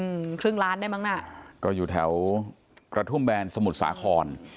อืมครึ่งล้านได้มั้งน่ะก็อยู่แถวกระทุ่มแบนสมุทรสาคร